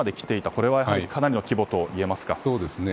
これはかなりの規模といえますか。